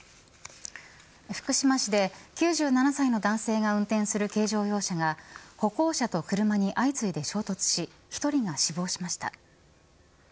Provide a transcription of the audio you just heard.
福島市で９７歳の男性が運転する軽乗用車が歩行者と車に相次いで衝突し１人が死亡しました。